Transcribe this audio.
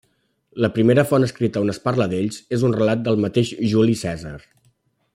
La primera font escrita on es parla d'ells és un relat del mateix Juli Cèsar.